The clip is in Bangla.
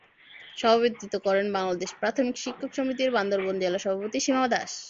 সভাপতিত্ব করেন বাংলাদেশ প্রাথমিক শিক্ষক সমিতির বান্দরবান জেলা সভাপতি সীমা দাশ।